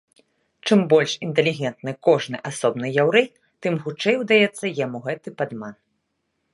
Чым больш інтэлігентны кожны асобны яўрэй, тым хутчэй удаецца яму гэты падман.